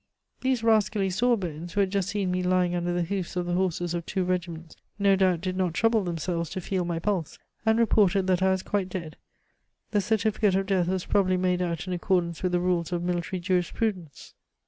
These rascally saw bones, who had just seen me lying under the hoofs of the horses of two regiments, no doubt did not trouble themselves to feel my pulse, and reported that I was quite dead. The certificate of death was probably made out in accordance with the rules of military jurisprudence."